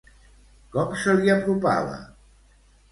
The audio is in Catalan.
Com se li apropava?